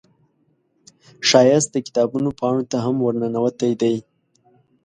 ښایست د کتابونو پاڼو ته هم ورننوتی دی